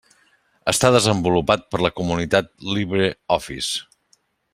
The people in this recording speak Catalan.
Està desenvolupat per la comunitat LibreOffice.